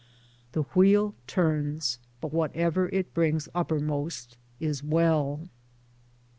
The wheel turns, but whatever it brings uppermost is well.